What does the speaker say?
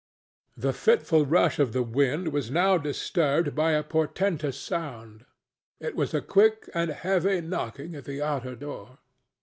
The fitful rush of the wind was now disturbed by a portentous sound: it was a quick and heavy knocking at the outer door.